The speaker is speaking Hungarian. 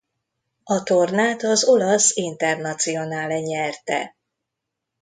A tornát az olasz Internazionale nyerte.